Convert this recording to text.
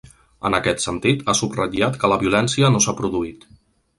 En aquest sentit, ha subratllat que ‘la violència no s’ha produït’.